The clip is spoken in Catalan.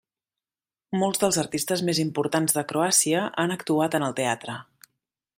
Molts dels artistes més importants de Croàcia han actuat en el teatre.